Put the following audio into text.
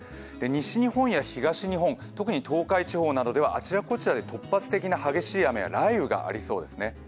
西日本や東日本、特に東海地方などではあちらこちらで突発的な激しい雨や雷雨がありそうです。